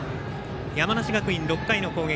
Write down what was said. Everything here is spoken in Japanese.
山梨学院、６回の攻撃